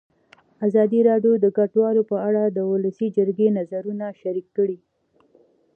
ازادي راډیو د کډوال په اړه د ولسي جرګې نظرونه شریک کړي.